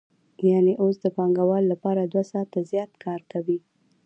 یانې اوس د پانګوال لپاره دوه ساعته زیات کار کوي